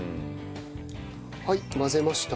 はい混ぜました。